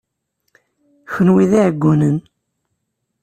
Kenwi d iɛeggunen.